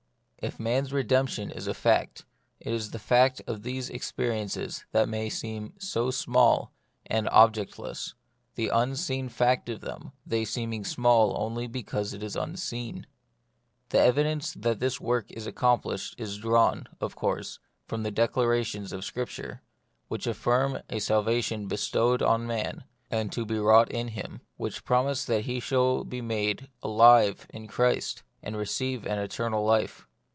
If man's redemption is a fact, it is the fact of these experiences that may seem so small and ob jectless ; the unseen fact of them, they seem ing small only because it is unseen. The evidence that this work is accomplished is drawn, of course, from the declarations of Scripture, which affirm a salvation bestowed on man, and to be wrought out in him ; which promise that he shall be made alive in Christ, and receive an eternal life.